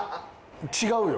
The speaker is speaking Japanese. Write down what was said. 違うよ